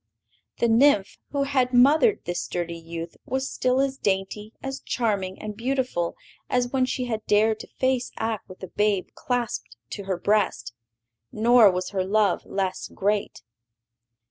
The nymph who had mothered this sturdy youth was still as dainty, as charming and beautiful as when she had dared to face Ak with the babe clasped to her breast; nor was her love less great.